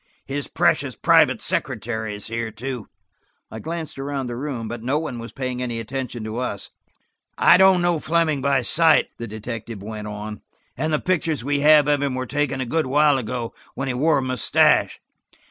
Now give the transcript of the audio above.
His precious private secretary is here, too." I glanced around the room, but no one was paying any attention to us. "I don't know Fleming by sight," the detective went on, "and the pictures we have of him were taken a good while ago, when he wore a mustache.